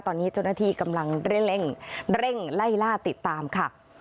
ตอนนี้เจ้าหน้าที่กำลังเร่งไล่ล่าติดตามค่ะ